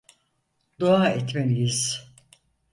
Dua etmeliyiz.